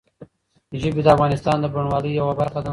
ژبې د افغانستان د بڼوالۍ یوه برخه ده.